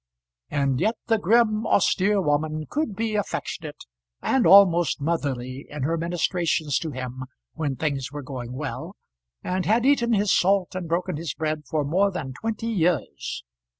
And yet the grim, austere woman could be affectionate and almost motherly in her ministrations to him when things were going well, and had eaten his salt and broken his bread for more than twenty years.